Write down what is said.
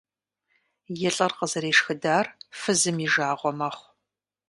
И лӏыр къызэрешхыдар фызым и жагъуэ мэхъу.